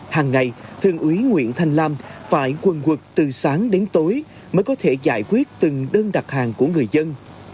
hàng ngày thượng úy nguyễn thanh lam phải quần quật từ sáng đến tối mới có thể giải quyết từng đơn đặt hàng của người dân